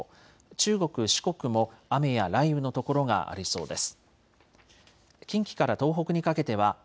中国、四国も雨や雷雨の所がありそうです。